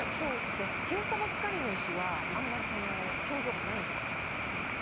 で拾ったばっかりの石はあんまり表情がないんですよ。